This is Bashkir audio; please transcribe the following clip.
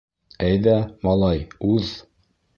— Әйҙә, малай, уҙ.